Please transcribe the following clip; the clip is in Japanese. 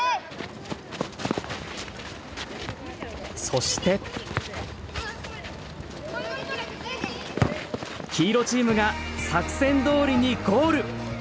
そして黄色チームが作戦どおりにゴール！